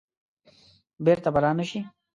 بیرته به را نه شي.